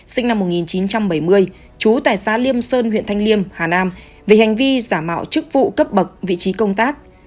sinh năm một nghìn chín trăm bảy mươi chú tại xã liêm sơn huyện thanh liêm hà nam về hành vi giả mạo chức vụ cấp bậc vị trí công tác